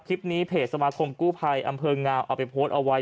คลิปนี้เพจสมาคมกู้ภัยอำเภองาเอาไปโพสต์เอาไว้